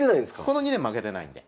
この２年負けてないんで。